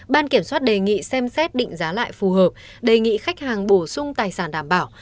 ban kiểm soát đề nghị xem xét định giá lại phù hợp đề nghị khách hàng bổ sung tài sản đảm bảo